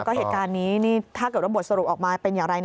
ก็เหตุการณ์นี้ถ้าเกิดว่าบทสรุปออกมาเป็นอย่างไร